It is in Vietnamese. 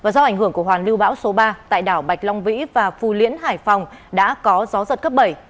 do ảnh hưởng của hoàn lưu bão số ba tại đảo bạch long vĩ và phu liễn hải phòng đã có gió giật cấp bảy